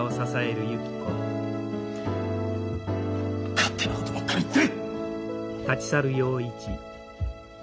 勝手なことばっかり言って。